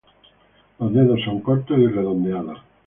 Los dedos son cortos y redondeados.